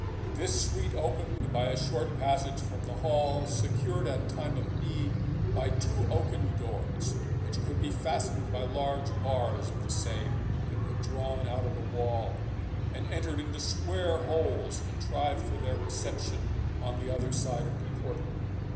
This suite opened by a short passage from the hall, secured at time of need by two oaken doors, which could be fastened by large bars of the same, that were drawn out of the wall, and entered into square holes, contrived for their reception on the other side of the portal.